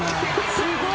すごい！